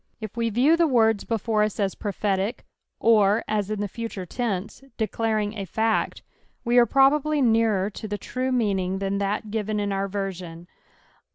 If we riew the words before us as prophetic, or as in the future tense, declaring a fact, we are probably nearer to the true meaning than that fiven !□ our version.